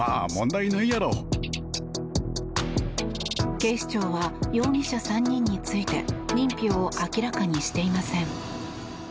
警視庁は容疑者３人について認否を明らかにしていません。